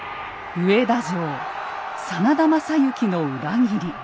上田城真田昌幸の裏切り。